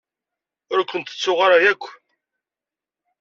Ur ken-ttuɣ ara akk.